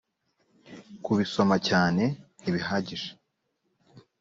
kubisoma cyane ntibihagije